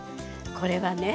これはね